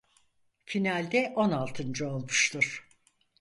Finalde on altıncı olmuştur.